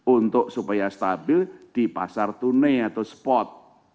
untuk supaya stabil di pasar tunai atau spot